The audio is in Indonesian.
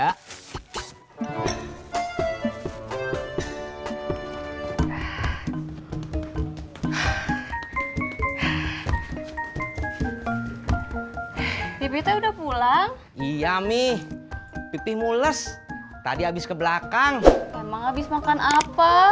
hai pibitnya udah pulang iami pipih mules tadi habis ke belakang emang habis makan apa